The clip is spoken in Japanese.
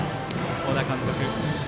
小田監督。